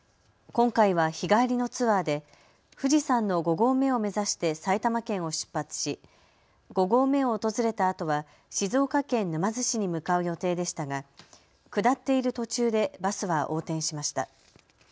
今回は日帰りのツアーで富士山の５合目を目指して埼玉県を出発し５合目を訪れたあとは静岡県沼津市に向かう予定でしたが下っている途中でバスは横転しました。